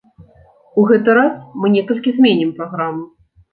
У гэты раз мы некалькі зменім праграму.